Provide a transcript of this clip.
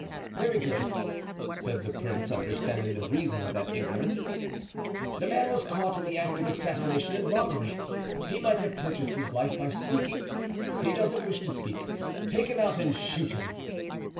"Very good," said the prince, understanding the reason of that ignorance; "the man was caught in the act of assassination and robbery; he might have purchased his life by speaking; he doesn't wish to speak. Take him out and shoot him."